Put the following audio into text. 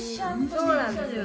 そうなんですよ。